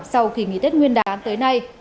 sau khi nghỉ tết nguyên đán tới nay